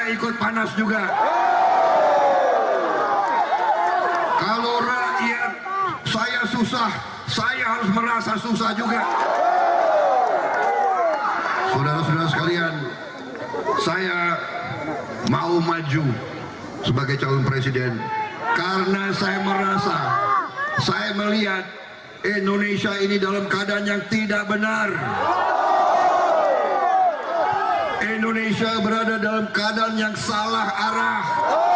indonesia ini dalam keadaan yang tidak benar indonesia berada dalam keadaan yang salah arah